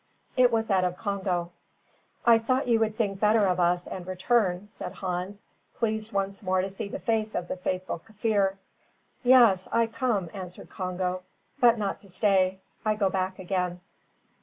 It was that of Congo. "I thought you would think better of us and return," said Hans, pleased once more to see the face of the faithful Kaffir. "Yaas, I come," answered Congo, "but not to stay. I go back again."